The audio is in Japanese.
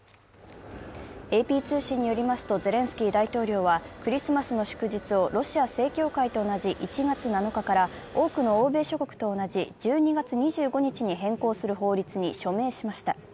ＡＰ通信によりますと、ゼレンスキー大統領はクリスマスの祝日をロシア正教会と同じ１月７日から多くの欧米諸国と同じ１２月２５日に変更する法律に署名しました。